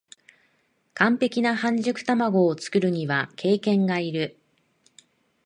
完璧な半熟たまごを作るには経験がいる